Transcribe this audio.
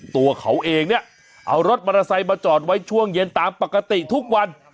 ตัวเขาเองเนี่ยเอารถมอเตอร์ไซค์มาจอดไว้ช่วงเย็นตามปกติทุกวัน